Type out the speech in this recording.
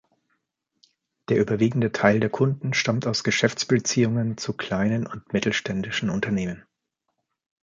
Der überwiegende Teil der Kunden stammt aus Geschäftsbeziehungen zu kleinen und mittelständischen Unternehmen.